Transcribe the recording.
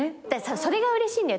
それがうれしいんだよ